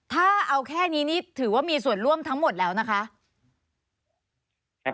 ถ้าเอาแค่นี้นี่ถือว่ามีส่วนร่วมทั้งหมดแล้วนะคะ